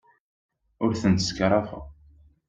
Ur tent-ssekrafeɣ.